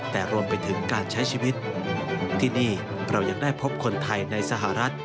แต่รวมไปถึงการใช้ชีวิตที่นี่เรายังได้พบคนไทยในสหรัฐ